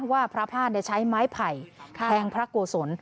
ว่าพระพลาดใช้ไม้ไผ่แทงพระโกศล